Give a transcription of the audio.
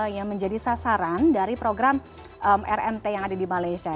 yang menjadi sasaran dari program rmt yang ada di malaysia